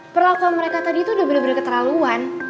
perlakuan mereka tadi tuh udah bener bener keterlaluan